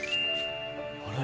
あれ？